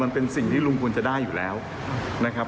มันเป็นสิ่งที่ลุงควรจะได้อยู่แล้วนะครับ